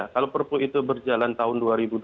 kalau perpu itu berjalan tahun dua ribu dua puluh